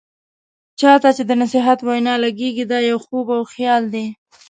چا ته چې د نصيحت وینا لګیږي، دا يو خوب او خيال دی.